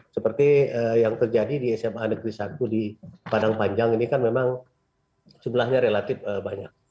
seperti yang terjadi di sma negeri satu di padang panjang ini kan memang jumlahnya relatif banyak